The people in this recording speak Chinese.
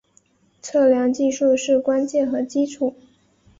测量技术是关键和基础。